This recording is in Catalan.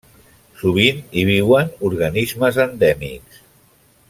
Sovint hi viuen organismes endèmics.